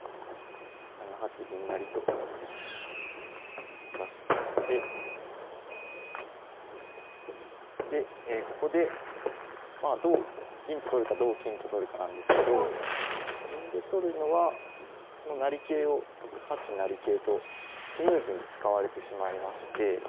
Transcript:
７八銀成と剥がしてきてでここでまあ同銀と取るか同金と取るかなんですけど銀で取るのはこの成桂を６八成桂とスムーズに使われてしまいまして。